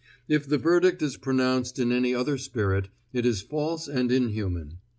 If the verdict is pronounced in any other spirit, it is false and inhuman.